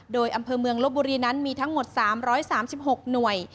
โดยอำเภอเมืองลบบุรีนั้นมีทั้งหมด๓๓๖หน่วย